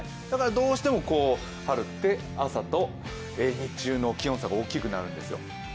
ただ、どうしても春って、朝と日中の気温差が大きくなるんです。